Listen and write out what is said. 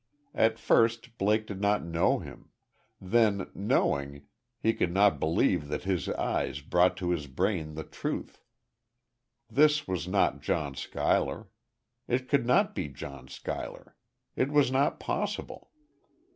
At first Blake did not know him.... Then, knowing, he could not believe that his eyes brought to his brain the truth.... This was not John Schuyler. It could not be John Schuyler. It was not possible.